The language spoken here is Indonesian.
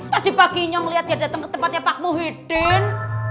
tadi pak ginyo melihat dia dateng ke tempatnya pak muhyiddin